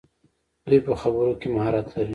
دوی په خبرو کې مهارت لري.